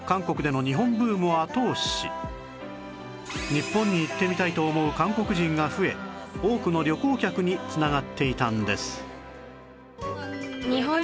日本に行ってみたいと思う韓国人が増え多くの旅行客に繋がっていたんです